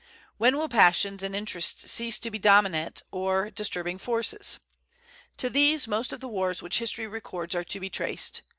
When will passions and interests cease to be dominant or disturbing forces? To these most of the wars which history records are to be traced.